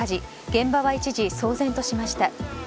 現場は一時、騒然としました。